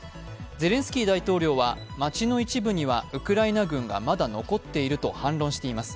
ゼレンスキー大統領は町の一部にはウクライナ軍がまだ残っていると反論しています。